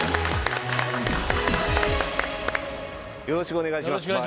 よろしくお願いします。